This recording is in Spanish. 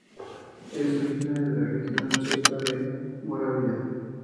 Es originaria de la región checa de Moravia.